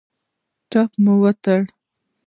پټۍ مو تړلی؟